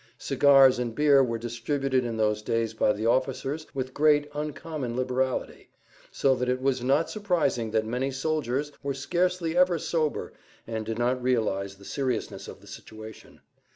Cigars and beer were distributed in those days by the officers with great, uncommon liberality, so that it was not surprising that many soldiers were scarcely ever sober and did not realize the seriousness of the situation.